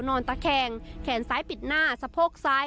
นอนตะแคงแขนซ้ายปิดหน้าสะโพกซ้าย